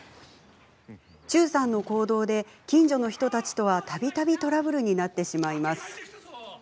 忠さんの行動で近所の人たちとはたびたびトラブルになってしまいます。